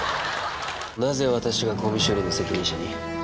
なぜ私がゴミ処理の責任者に？